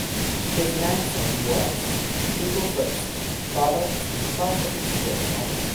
His maxim was: people first, products and profit will follow!